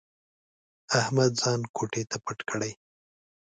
احمد ځان کوټې ته پټ کړي.